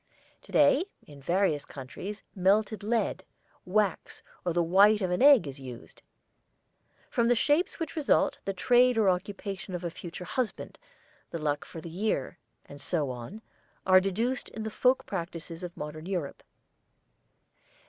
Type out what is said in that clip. To day in various countries melted lead, wax, or the white of an egg, is used. From the shapes which result, the trade or occupation of a future husband, the luck for the year, and so on, are deduced in the folk practices of modern Europe.